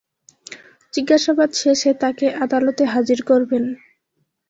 জিজ্ঞাসাবাদ শেষে তাকে আদালতে হাজির করবেন।